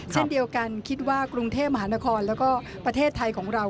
เช่นเดียวกันคิดว่ากรุงเทพมหานครแล้วก็ประเทศไทยของเรา